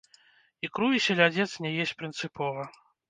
Ікру і селядзец не есць прынцыпова.